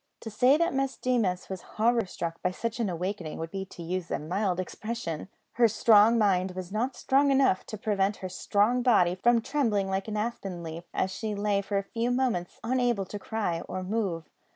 To say that Miss Deemas was horror struck by such an awakening would be to use a mild expression. Her strong mind was not strong enough to prevent her strong body from trembling like an aspen leaf, as she lay for a few moments unable to cry or move.